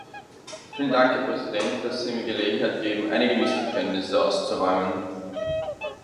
Vielen Dank, Herr Präsident, dass Sie mir Gelegenheit geben, einige Missverständnisse auszuräumen.